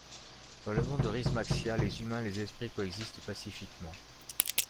Dans le monde de Rieze Maxia, les humains et les esprits coexistent pacifiquement.